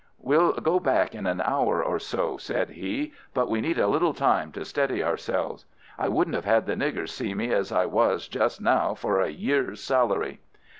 "Well go back in an hour or so," said he. "But we need a little time to steady ourselves. I wouldn't have had the niggers see me as I was just now for a year's salary."